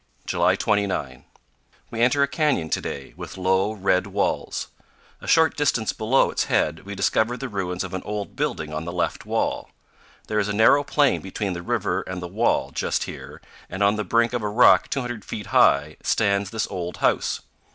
July 29. We enter a canyon to day, with low, red walls. A short distance below its head we discover the ruins of an old building on the left wall. There is a narrow plain between the river and the wall just here, and on the brink of a rock 200 feet high stands this old house.